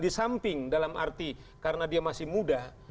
di samping dalam arti karena dia masih muda